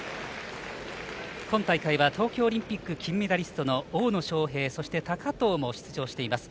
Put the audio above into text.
今大会は東京オリンピック金メダリストの大野将平、そして高藤も出場しています。